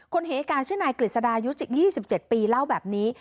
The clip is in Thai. เหตุการณ์ชื่อนายกฤษดาอายุ๗๒๗ปีเล่าแบบนี้